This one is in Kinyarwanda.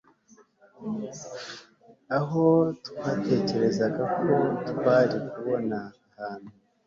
aho twatekerezaga ko twari kubona ahantu